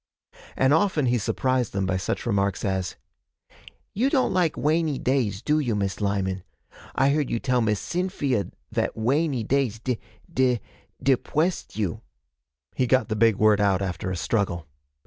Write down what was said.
And often he surprised them by such remarks as 'You don't like wainy days, do you, Miss Lyman? I heard you tell Miss Cyn fee ia vat wainy days de de depwessed you.' He got the big word out after a struggle.